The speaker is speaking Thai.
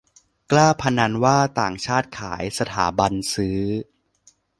กล้าพนันว่าต่างชาติขาย สถาบันซื้อ